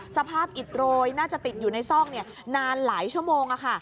สภาพอิดโรยน่าจะติดอยู่ในซ่องนานหลายชั่วโมง